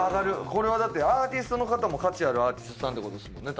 これはだってアーティストの方も価値あるアーティストさんって事ですもんね